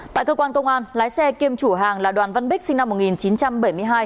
tại cơ quan công an lái xe kiêm chủ hàng là đoàn văn bích sinh năm một nghìn chín trăm bảy mươi hai